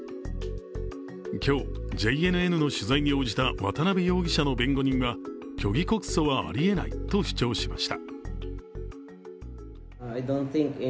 今日ＪＮＮの取材に応じた渡辺容疑者の弁護人は虚偽告訴はありえないと主張しました。